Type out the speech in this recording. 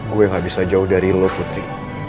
gue gak bisa jauh dari lo putri